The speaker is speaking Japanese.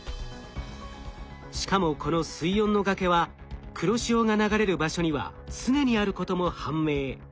しかもこの水温の崖は黒潮が流れる場所には常にあることも判明。